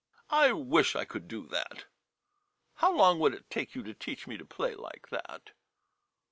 ] I wish I could do that ! How long would it take you to teach me to play like that